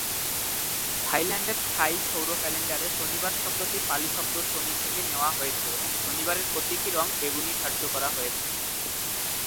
থাইল্যান্ডের থাই সৌর ক্যালেন্ডারে শনিবার শব্দটি পালি শব্দ শনি থেকে নেওয়া হয়েছে এবং শনিবারের প্রতীকী রঙ বেগুনি ধার্য করা হয়েছে।